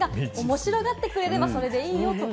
面白がってくれればそれでいいと。